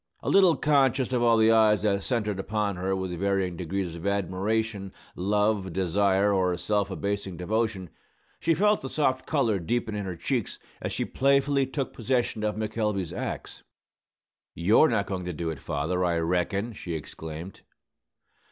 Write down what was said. A little conscious of all the eyes that centred upon her with varying degrees of admiration, love, desire, or self abasing devotion, she felt the soft color deepen in her cheeks as she playfully took possession of McElvey's axe. "You're not goin' to do it, father, I reckon!" she exclaimed.